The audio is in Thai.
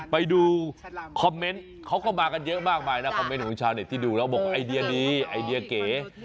ไปดูคอมเมนต์เขาก็มากันเยอะมากมายนะคอมเมนต์ของชาวเน็ตที่ดูแล้วบอกว่าไอเดียดีไอเดียเก๋